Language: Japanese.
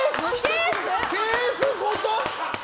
ケースごと？